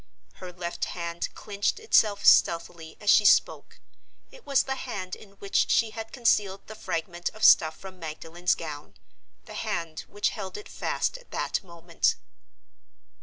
Her left hand clinched itself stealthily as she spoke. It was the hand in which she had concealed the fragment of stuff from Magdalen's gown—the hand which held it fast at that moment.